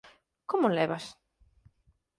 Como o levas?